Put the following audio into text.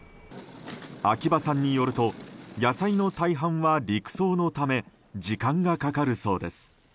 秋葉さんによると野菜の大半は陸送のため時間がかかるそうです。